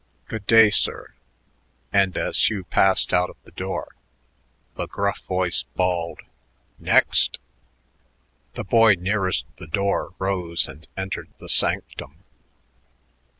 "Good day, sir," and as Hugh passed out of the door, the gruff voice bawled, "Next!" The boy nearest the door rose and entered the sanctum.